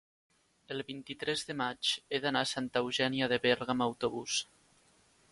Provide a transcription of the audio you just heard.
el vint-i-tres de maig he d'anar a Santa Eugènia de Berga amb autobús.